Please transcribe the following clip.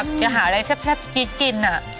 จะหาอะไรแซ่บจิ๊ดกินน่ะ